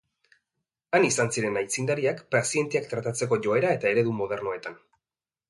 Han izan ziren aitzindariak pazienteak tratatzeko joera eta eredu modernoetan.